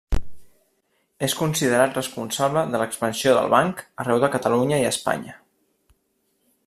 És considerat responsable de l'expansió del Banc arreu de Catalunya i Espanya.